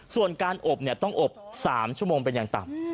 ส่วนการอบต้องอบ๓ชั่วโมงเป็นอย่างต่ำ